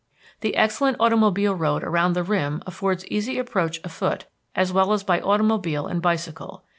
The excellent automobile road around the rim affords easy approach afoot as well as by automobile and bicycle.